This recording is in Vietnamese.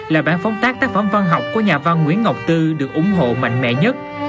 là bản phóng tác tác phẩm văn học của nhà văn nguyễn ngọc tư được ủng hộ mạnh mẽ nhất